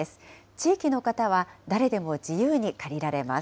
地域の方は誰でも自由に借りられます。